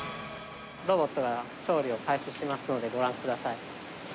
ロボットが調理を開始しますので、ご覧ください。